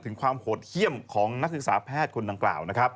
ถึงความโหดเข้มของนักศึกษาแพทย์คนดังกล่าว